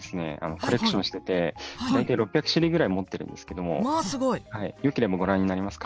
コレクションしてて大体６００種類ぐらい持ってるんですけどもよければご覧になりますか？